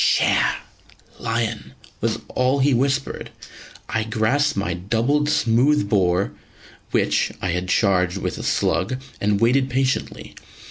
"Sher!" ("Lion!") was all he whispered. I grasped my double smooth bore, which, I had charged with slug, and waited patiently.